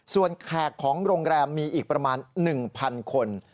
ส่วนแขกของโรงแรมมีอีกประมาณ๑๐๐คน